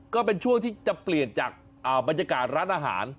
ก็เป็นช่วงที่จะเปลี่ยนจากบรรยากาศร้านอาหาร